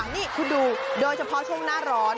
นี่คุณดูโดยเฉพาะช่วงหน้าร้อน